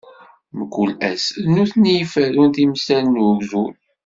Mkul ass, d nutni i yeferrun timsal n ugdud.